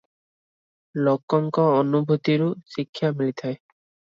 ଲୋକଙ୍କ ଅନୁଭୂତିରୁ ଶିକ୍ଷା ମିଳିଥାଏ ।